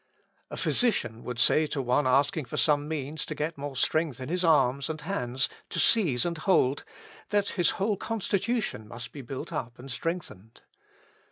A physician would say to one asking for some means to get more strength in his arms and hands to seize and hold, that his whole constitution must be built up and strengthened.